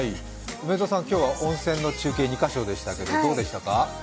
梅澤さん、今日は温泉の中継２カ所でしたけど、どうでしたか？